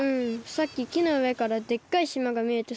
さっききのうえからでっかいしまがみえてさ。